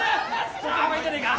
・そっちの方がいいんじゃねえか？